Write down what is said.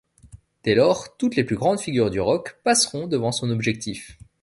Dès lors, toutes les plus grandes figures du rock passeront devant son objectif.